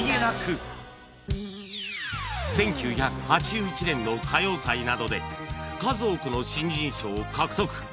１９８１年の歌謡祭などで数多くの新人賞を獲得